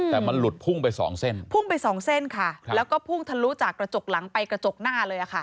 แต่มันหลุดพุ่งไปสองเส้นพุ่งไปสองเส้นค่ะแล้วก็พุ่งทะลุจากกระจกหลังไปกระจกหน้าเลยค่ะ